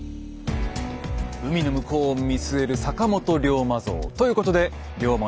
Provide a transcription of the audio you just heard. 海の向こうを見据える坂本龍馬像。ということで龍馬のふるさと